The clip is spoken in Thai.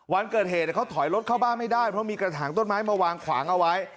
วันเกิดเหตุเขาถอยรถเข้าบ้านไม่ได้เพราะมีกระถางต้นไม้มาวางขวางเอาไว้